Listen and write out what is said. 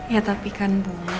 ya tapi kan bu